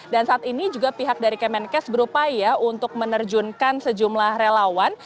dan saat ini juga pihak dari kemenkes berupaya untuk menerjunkan sejumlah relawan